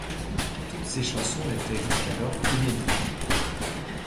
Toutes ces chansons étaient jusqu'alors inédites.